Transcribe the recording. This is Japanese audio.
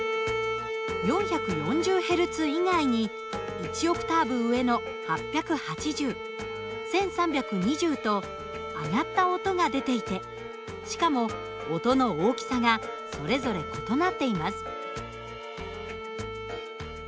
４４０Ｈｚ以外に１オクターブ上の８８０１，３２０と上がった音が出ていてしかも音の大きさがそれぞれ異なっています。